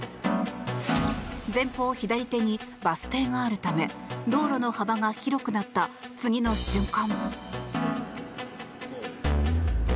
前方左手にバス停があるため道路の幅が広くなった次の瞬間。